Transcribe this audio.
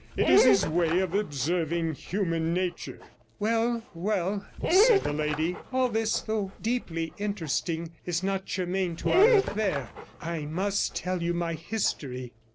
It is his way of observing human nature.' 'Well, well,' said the lady; 'all this, though deeply interesting, is not germane to our affair. I must tell you my history.'